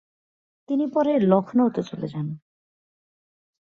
তিনি পরে লক্ষ্ণৌতে চলে যান।